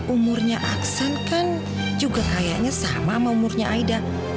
umurnya aksan kan juga kayaknya sama sama umurnya aida